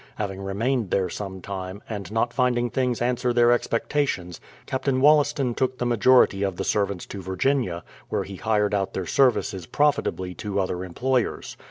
Having remained there some time, and not finding things answer their expectations, Captain Wol laston took the majority of the servants to Virginia, where he hired out their services profitably to other employers.